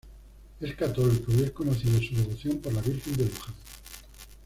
Es católico y es conocida su devoción por la Virgen de Lujan.